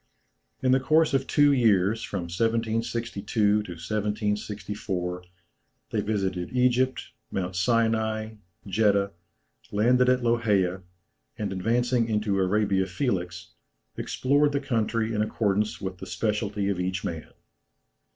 In the course of two years, from 1762 to 1764, they visited Egypt, Mount Sinai, Jeddah, landed at Loheia, and advancing into Arabia Felix, explored the country in accordance with the speciality of each man.